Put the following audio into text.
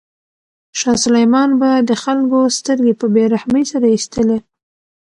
شاه سلیمان به د خلکو سترګې په بې رحمۍ سره ایستلې.